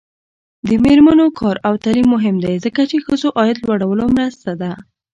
د میرمنو کار او تعلیم مهم دی ځکه چې ښځو عاید لوړولو مرسته ده.